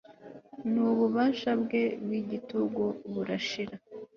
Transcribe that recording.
nububasha bwe bwigitugu burashira